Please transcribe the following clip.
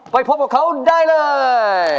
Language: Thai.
ปล่อยพบกับเขาได้เลย